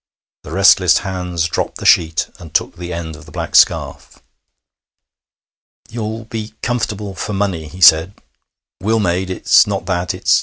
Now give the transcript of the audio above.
The restless hands dropped the sheet and took the end of the black scarf. 'You'll be comfortable for money,' he said. 'Will made.... It's not that. It's ...